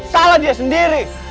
salah dia sendiri